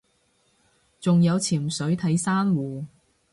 仲有潛水睇珊瑚